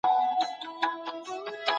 حقوق الله ته لومړیتوب ورکړئ.